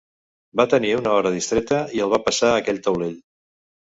Va tenir una hora distreta i el va passar aquell taulell.